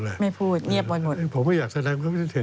บุรกลีอ่ะพวกมายังล่อครามซอชอเลย